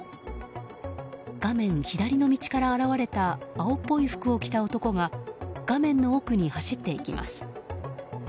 画面左の道から現れた青っぽい服を着た男が画面の奥に走っていきます。